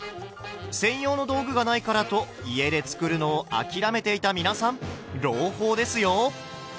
専用の道具がないからと家で作るのを諦めていた皆さん朗報ですよ！